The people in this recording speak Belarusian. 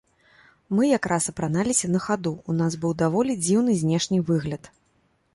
Мы як раз апраналіся на хаду, у нас быў даволі дзіўны знешні выгляд.